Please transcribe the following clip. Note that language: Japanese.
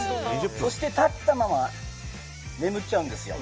そして、立ったまま眠っちゃうんですよ。